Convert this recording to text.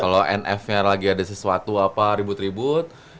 kalau nf nya lagi ada sesuatu apa ribut ribut